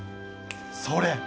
それ！